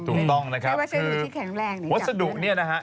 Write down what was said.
ถูกต้องนะครับวัสดุนี้นะฮะ